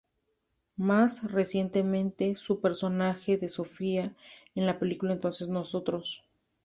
Más recientemente, su personaje de Sofía en la película "Entonces nosotros.